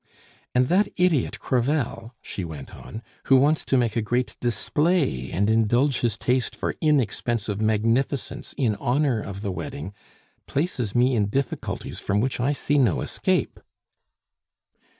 "And that idiot Crevel," she went on, "who wants to make a great display and indulge his taste for inexpensive magnificence in honor of the wedding, places me in difficulties from which I see no escape."